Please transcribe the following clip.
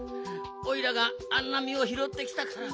おいらがあんなみをひろってきたから。